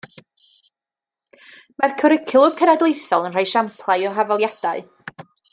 Mae'r cwricwlwm cenedlaethol yn rhoi esiamplau o hafaliadau